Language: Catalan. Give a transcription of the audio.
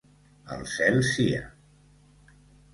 Al cel sia.